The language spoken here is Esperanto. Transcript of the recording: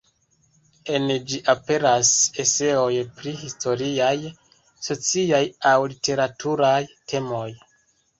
En ĝi aperas eseoj pri historiaj, sociaj aŭ literaturaj temoj.